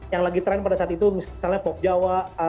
yang lagi tren pada saat itu misalnya pop jawa